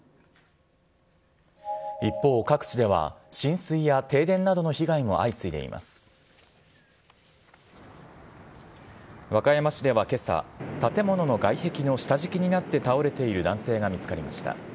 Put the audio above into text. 一方、各地では浸水や停電などの被害も相次いでいます。和歌山市ではけさ、建物の外壁の下敷きになって倒れている男性が見つかりました。